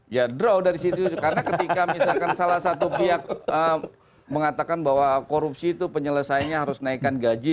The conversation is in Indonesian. ya draw dari situ karena ketika misalkan salah satu pihak mengatakan bahwa korupsi itu penyelesaiannya harus naikkan gaji